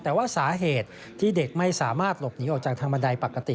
แต่ว่าสาเหตุที่เด็กไม่สามารถหลบหนีออกจากทางบันไดปกติ